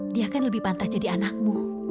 dia kan lebih pantas jadi anakmu